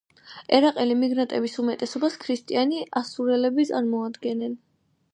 ერაყელი მიგრანტების უმეტესობას ქრისტიანი ასურელები წარმოადგენენ.